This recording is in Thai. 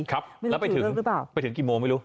ครับแล้วไปถึงไปถึงกี่โมงไม่รู้